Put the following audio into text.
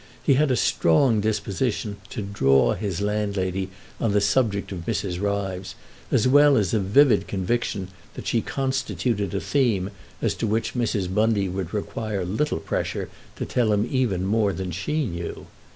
He had a strong disposition to "draw" his landlady on the subject of Mrs. Ryves, as well as a vivid conviction that she constituted a theme as to which Mrs. Bundy would require little pressure to tell him even more than she knew.